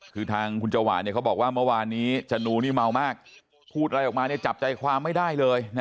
คือทางคุณจวาเนี่ยเขาบอกว่าเมื่อวานนี้จนูนี่เมามากพูดอะไรออกมาจับใจความไม่ได้เลยนะ